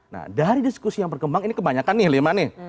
nah dari diskusi yang berkembang ini kebanyakan nih lima nih